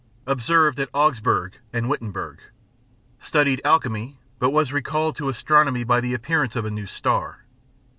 Observed at Augsburg and Wittenberg. Studied alchemy, but was recalled to astronomy by the appearance of a new star.